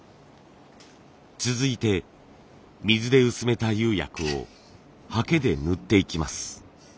続いて水で薄めた釉薬をハケで塗っていきます。